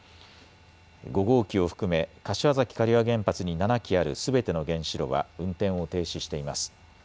５号機を含め柏崎刈羽原発に７基あるすべての原子炉は運転を停止しています。